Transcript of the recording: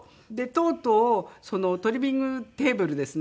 とうとうトリミングテーブルですね